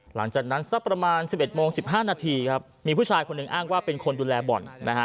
หลังจากนั้นสักประมาณ๑๑โมง๑๕นาทีครับมีผู้ชายคนหนึ่งอ้างว่าเป็นคนดูแลบ่อนนะฮะ